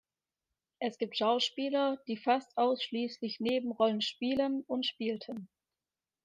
Es gibt Schauspieler, die fast ausschließlich Nebenrollen spielen und spielten.